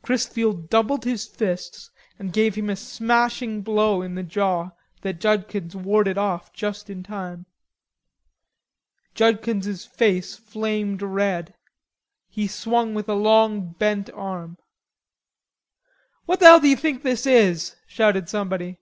Chrisfield doubled his fists and gave him a smashing blow in the jaw that Judkins warded of just in time. Judkins's face flamed red. He swung with a long bent arm. "What the hell d'you think this is?" shouted somebody.